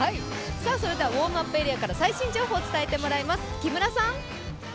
それではウォームアップエリアから最新情報を伝えてもらいます。